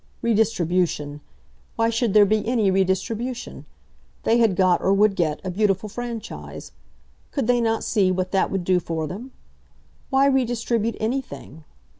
Redistribution! Why should there be any redistribution? They had got, or would get, a beautiful franchise. Could they not see what that would do for them? Why redistribute anything?